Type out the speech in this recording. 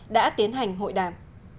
đã tiến hành hội đàm